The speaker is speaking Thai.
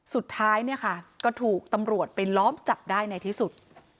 สุดท้ายเนี่ยค่ะก็ถูกตำรวจไปล้อมจับได้ในที่สุด